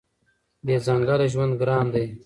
بې ځنګله ژوند ګران دی.